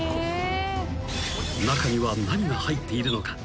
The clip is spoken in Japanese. ［中には何が入っているのか？］